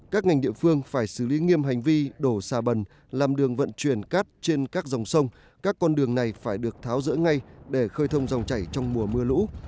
các ngành địa phương phải xử lý nghiêm hành vi đổ xà bần làm đường vận chuyển cát trên các dòng sông các con đường này phải được tháo rỡ ngay để khơi thông dòng chảy trong mùa mưa lũ